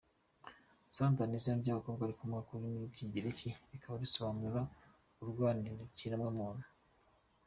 Sandra ni izina ry’abakobwa rikomoka ku rurimi rw’Ikigereki rikaba risobanura “Urwanirira ikiremwamuntu”.